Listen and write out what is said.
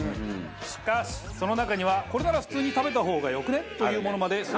しかしその中にはこれなら普通に食べた方がよくね？というものまで。